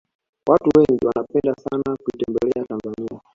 watu wengi wanapenda sana kuitembelea tanzania